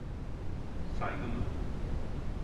Saygı mı?